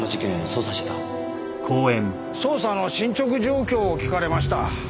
捜査の進捗状況を聞かれました。